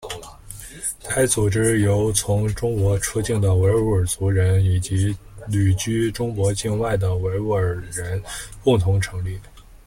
该组织由从中国出境的维吾尔族人以及旅居中国境外的维吾尔人共同成立。